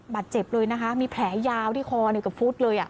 เจ็บเลยนะคะมีแผลยาวที่คอกระฟุดเลย